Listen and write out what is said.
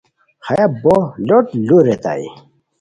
ہیہ بو لوٹ لو ریتائے